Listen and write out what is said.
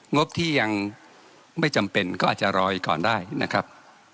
งบที่ยังไม่จำเป็นก็อาจจะรออีกก่อนได้นะครับ